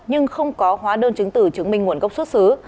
nhưng không có hóa đơn chứng tử chứng minh nguồn gốc xuất xứ